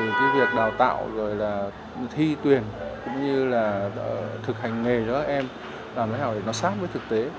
từ cái việc đào tạo rồi là thi tuyển cũng như là thực hành nghề cho các em làm thế nào để nó sát với thực tế